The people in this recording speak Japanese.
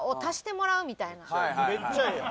めっちゃええやん。